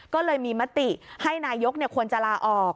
ก็เลยมีมติให้นายกควรจะลาออก